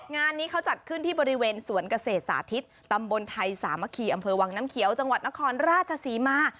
งานนี้เขาจัดขึ้นที่บริเวณสวนเกษตรสาธิตตำบลไทยสามัคคีอำเภอวังน้ำเขียวจังหวัดนครราชศรีมา